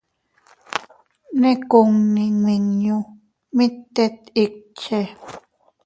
Ne kunni nmiñu mit tet ikche.